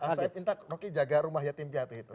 astagfirullahaladzim noki jaga rumah yatim pihak itu